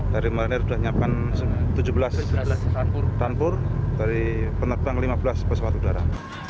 dari marinir sudah menyiapkan tujuh belas tanpur dari penerbang lima belas pesawat udara